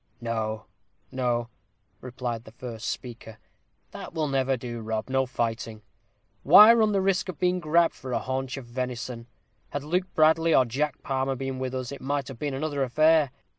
"No, no," replied the first speaker; "that will never do, Rob no fighting. Why run the risk of being grabb'd for a haunch of venison? Had Luke Bradley or Jack Palmer been with us, it might have been another affair.